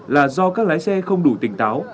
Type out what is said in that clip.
là do các lái xe không đủ tỉnh táo